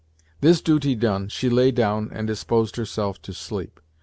This duty done, she lay down and disposed herself to sleep.